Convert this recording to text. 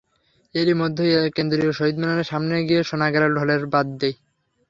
এরই মধ্যে কেন্দ্রীয় শহীদ মিনারের সামনে গিয়ে শোনা গেল ঢোলের বাদ্যি।